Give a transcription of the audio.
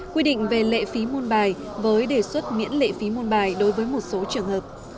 quy định về lệ phí môn bài với đề xuất miễn lệ phí môn bài đối với một số trường hợp